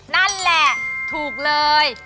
นั่นแหละถูกเลย